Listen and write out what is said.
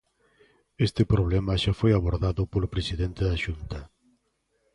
Este problema xa foi abordado polo presidente da Xunta.